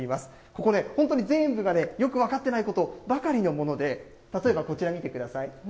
ここ、本当に全部がね、よく分かってないことばかりのもので、例えばこちら見てください。